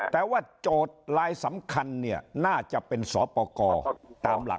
แต่ว่าโจทย์ลายสำคัญเนี่ยน่าจะเป็นสปกรตามหลัก